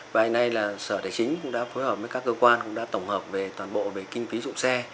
và hiện nay sở tài chính đã phối hợp với các cơ quan tổng hợp về toàn bộ kinh phí dụng xe